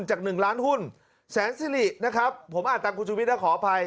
จาก๑ล้านหุ้นแสนซิรินะครับผมอ่านตามคุณชุวิตนะขออภัย